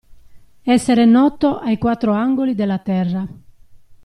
Essere noto ai quattro angoli della terra.